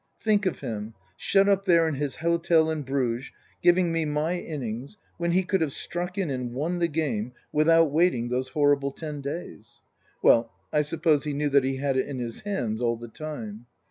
Think of him, shut up there in his hotel in Bruges, giving me my innings, when he could have struck in and won the game without waiting those horrible ten days. Well, I suppose he knew that he had it in his hands all the time.